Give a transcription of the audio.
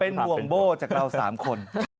เป็นห่วงโบ้จากเรา๓คน